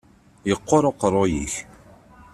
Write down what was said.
Yeqquṛ uqeṛṛu-yik.